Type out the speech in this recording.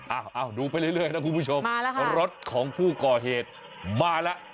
ดูไปเรื่อยนะคุณผู้ชมรถของผู้ก่อเหตุมาแล้ว